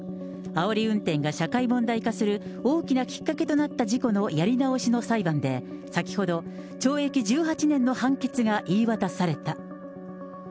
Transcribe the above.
あおり運転が社会問題化する大きなきっかけとなった事故のやり直しの裁判で、先ほど、懲役１８年の判決が言い渡された。